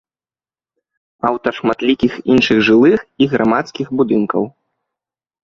Аўтар шматлікіх іншых жылых і грамадскіх будынкаў.